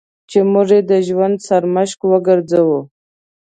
چې موږ یې د ژوند سرمشق وګرځوو.